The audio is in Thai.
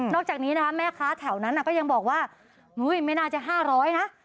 นอกจากนี้นะคะแม่ค้าแถวนั้นอ่ะก็ยังบอกว่าอุ้ยไม่น่าจะห้าร้อยนะ